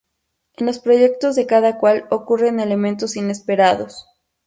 En los proyectos de cada cual ocurren elementos inesperados.